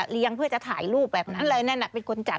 เพื่อจะถ่ายรูปแบบนั้นเลยนั่นน่ะเป็นคนจัด